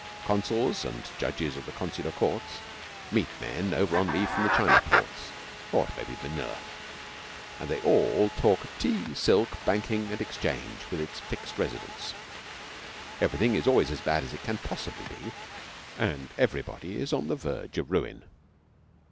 Consuls and judges of the Consular Courts meet men over on leave from the China ports, or it may be Manila, and they all talk tea, silk, banking, and exchange with its fixed residents. Everything is always as bad as it can possibly be, and everybody is on the verge of ruin.